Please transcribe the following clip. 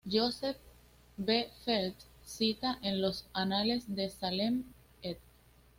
Joseph B. Felt cita en los "Los Anales de Salem", ed.